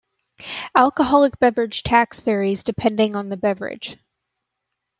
Alcoholic beverage tax varies depending on the beverage.